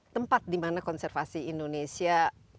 tempat dimana konservasi indonesia